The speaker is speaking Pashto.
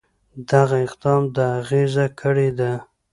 دغه اقدام د اغېزه کړې ده.